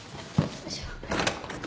よいしょ。